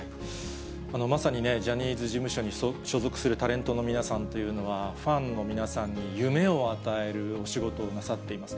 まさにね、ジャニーズ事務所に所属するタレントの皆さんというのは、ファンの皆さんに夢を与えるお仕事をなさっています。